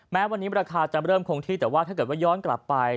แม้วันนี้ราคาจะเริ่มคงที่แต่ว่าถ้าเกิดว่าย้อนกลับไป